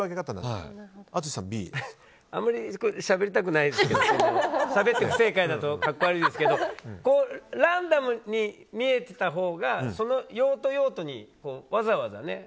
あまりしゃべりたくないんですけどしゃべって不正解だと格好悪いですけどランダムに見えてたほうがその用途、用途にわざわざね。